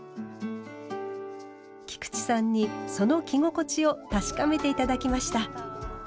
菊池さんにその着心地を確かめて頂きました。